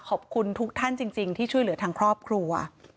ขอบคุณทุกท่านจริงที่ช่วยเหลือทางครอบครัว